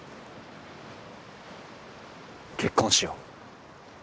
結婚しよう。